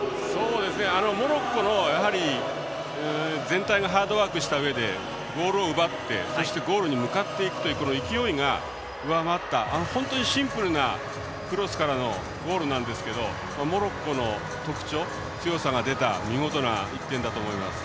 モロッコの、全体のハードワークしたうえでボールを奪ってそして、ゴールに向かっていくという勢いが上回ったシンプルなクロスからのゴールなんですがモロッコの特徴強さが出た見事な１点だと思います。